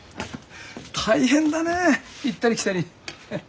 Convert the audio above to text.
大変だねぇ行ったり来たり。